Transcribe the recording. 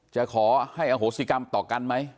จะขอให้อโหสิกรรมต่อกันไหม